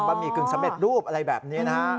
หมี่กึ่งสำเร็จรูปอะไรแบบนี้นะฮะ